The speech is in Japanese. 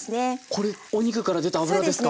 これお肉から出た脂ですか？